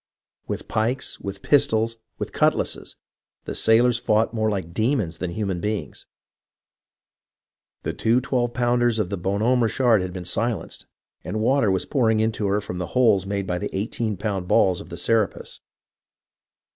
With pikes, with pistols, with cut lasses, the sailors fought more like demons than human beings. The two twelve pounders of the Bon Homme Richard had been silenced, and water was pouring into her from the holes made by the eighteen pound balls of the Serapis.